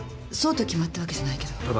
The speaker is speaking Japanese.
そうと決まったわけじゃないけど。